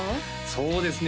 そうですね